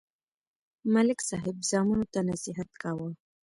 ملک صاحب زامنو ته نصیحت کاوه.